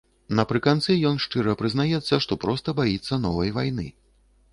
Напрыканцы ён шчыра прызнаецца, што проста баіцца новай вайны.